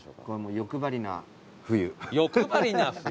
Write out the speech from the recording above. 『欲張りな冬』